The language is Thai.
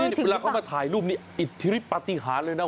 นี่พอเรามาถ่ายรูปนี้อิทธิริปติฮันทร์เลยนะ